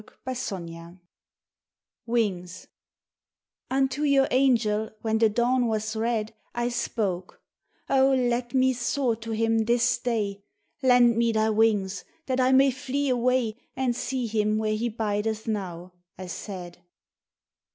57 Mings NTO your angel, when the dawn was red, I spoke, "O, let me soar to him this day ! Lend me thy wings, that I may flee away And see him where he bideth now," I said.